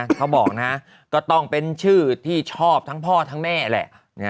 เขาบอกนะฮะก็ต้องเป็นชื่อที่ชอบทั้งพ่อทั้งแม่แหละ